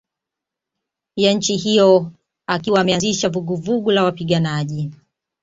ya nchi hiyo akiwa ameanzisha vuguvugu la wapiganaji